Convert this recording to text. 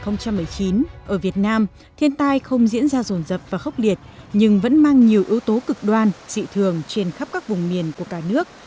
năm hai nghìn một mươi chín ở việt nam thiên tai không diễn ra rồn rập và khốc liệt nhưng vẫn mang nhiều ưu tố cực đoan dị thường trên khắp các vùng miền của cả nước